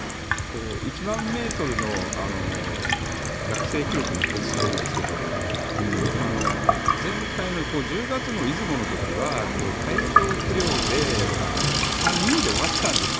１万ｍの学生記録の保持者なんですけど前回の１０月の出雲の時は体調不良で区間２位で終わっていたんです。